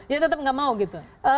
dia tetap gak mau gitu